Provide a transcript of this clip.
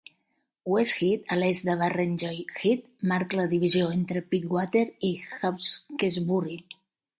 West Head, a l'est de Barrenjoey Head, marca la divisió entre Pittwater i Hawkesbury.